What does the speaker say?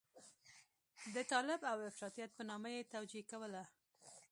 د طالب او افراطيت په نامه یې توجیه کوله.